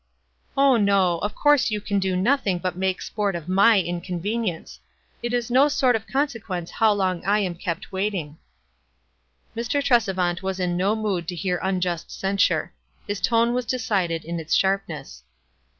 '"" Oh, no ; of course you can do nothing but make sport of my inconvenience. It is no sort of consequence how long I am kept waiting." Mr. Tresevant was in no mood to bear unjust censure. His tone was decided in its sharpness.